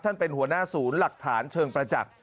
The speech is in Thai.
เป็นหัวหน้าศูนย์หลักฐานเชิงประจักษ์